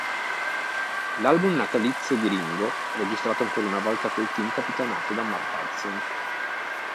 L'album natalizio di Ringo, registrato ancora una volta col team capitanato da Mark Hudson.